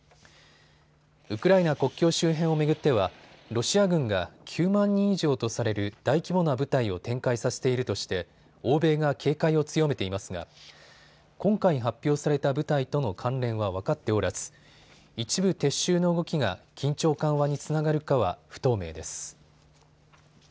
ウクライナ国境周辺を巡ってはロシア軍が９万人以上とされる大規模な部隊を展開させているとして欧米が警戒を強めていますが今回発表された部隊との関連は分かっておらず一部撤収の動きが緊張緩和につながるかは不透明です。